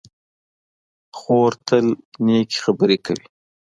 خور تل نېکې خبرې کوي.